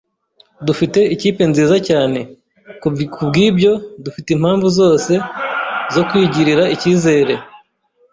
Dufite ikipe nziza cyane, kubwibyo dufite impamvu zose zo kwigirira icyizere.